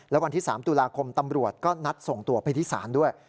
และวันที่๓ตุลาคมตำรวจก็นัดส่งตัวไปที่ศาลด้วย